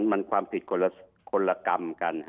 มันความผิดคนละกรรมกัน